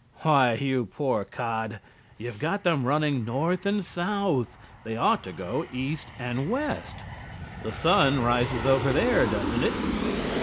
"Why, you poor cod, you've got them running north and south. They ought to go east and west. The sun rises over there, doesn't it?"